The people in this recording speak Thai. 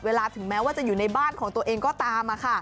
ถึงแม้ว่าจะอยู่ในบ้านของตัวเองก็ตาม